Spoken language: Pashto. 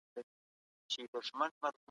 د سياست په اړه نوې څېړنې ترسره کړئ.